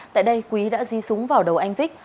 tại đây quý đã di súng vào đầu anh vích